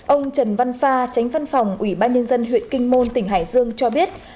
ông trần văn pha tránh văn phòng ủy ban nhân dân huyện kinh môn tỉnh hải dương cho biết